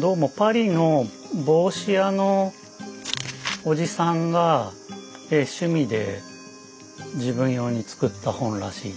どうもパリの帽子屋のおじさんが趣味で自分用に作った本らしい。